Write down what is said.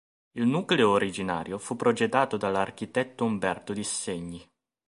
Il nucleo originario fu progettato dall'architetto Umberto Di Segni.